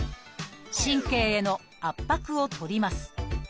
神経への圧迫を取ります。